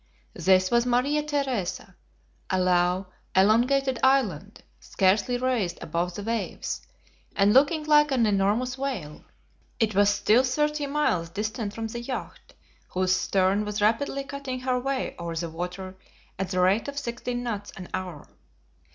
This was Maria Theresa, a low, elongated island, scarcely raised above the waves, and looking like an enormous whale. It was still thirty miles distant from the yacht, whose stem was rapidly cutting her way over the water at the rate of sixteen knots an hour.